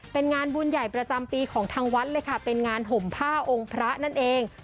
เป็นงานบุญใหญ่ประจำปีของทางวัดเลยค่ะเป็นงานห่มผ้าองค์พระนั่นเอง